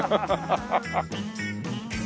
ハハハハハ！